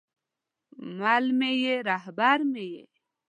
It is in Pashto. مل مې یې، رهبر مې یې